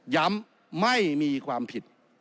ย้ำไม่มีความผิด